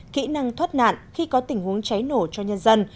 kỹ năng thoát nạn khi có tình huống cháy nổ cho nhân dân